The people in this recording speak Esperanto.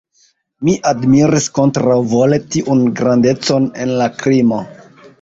Mi admiris kontraŭvole tiun grandecon en la krimo.